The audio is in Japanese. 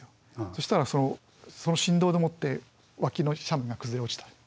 そしたらその振動でもって脇の斜面が崩れ落ちたと。